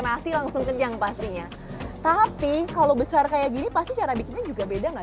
nasi langsung kenyang pastinya tapi kalau besar kayak gini pasti cara bikinnya juga beda nggak